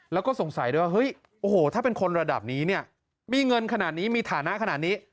แล้วก็สงสัยด้วยว่าเฮ้ยโอ้โหถ้าเป็นคนระดับนี้เนี่ยมีเงินขนาดนี้มีฐานะขนาดนี้